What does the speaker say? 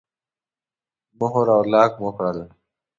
مهر او لاک مو کړل.